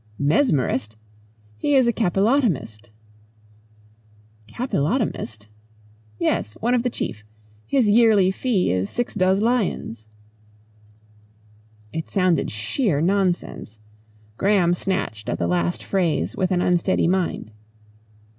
"Mesmerist! He is a capillotomist." "Capillotomist!" "Yes one of the chief. His yearly fee is sixdoz lions." It sounded sheer nonsense. Graham snatched at the last phrase with an unsteady mind.